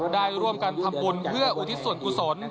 ได้ร่วมกันทำบุญเพื่ออุทิศส่วนกุศล